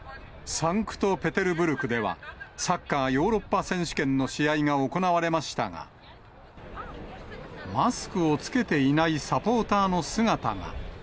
サンクトペテルブルクでは、サッカーヨーロッパ選手権の試合が行われましたが、マスクを着けていないサポーターの姿が。